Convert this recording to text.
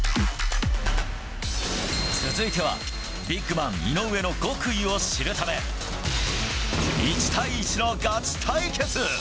続いてはビッグマン、井上の極意を知るため、１対１のガチ対決。